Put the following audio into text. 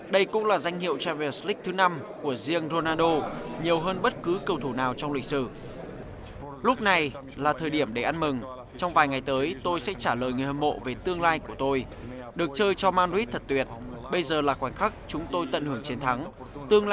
đây cũng là danh hiệu champions league thứ năm